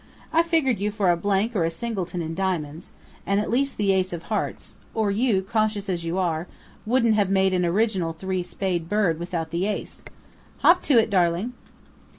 I figured you for a blank or a singleton in Diamonds, and at least the Ace of Hearts, or you cautious as you are wouldn't have made an original three Spade bid without the Ace.... Hop to it, darling!"